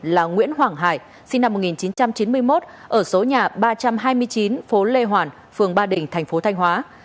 là nguyễn hoàng hải sinh năm một nghìn chín trăm chín mươi một ở số nhà ba trăm hai mươi chín phố lê hoàn phường ba đình thành phố thanh hóa